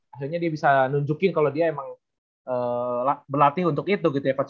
akhirnya dia bisa nunjukin kalo dia emang berlatih untuk itu gitu ya pak chef